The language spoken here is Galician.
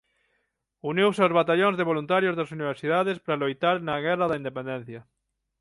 Uniuse aos batallóns de voluntarios das universidades para loitar na Guerra da Independencia.